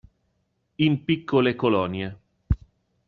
In piccole colonie.